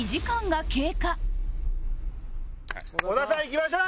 小田さんいきましょう！